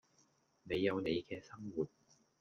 你有你嘅生活